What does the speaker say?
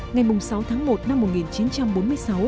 ngày sáu tháng một năm một nghìn chín trăm bốn mươi sáu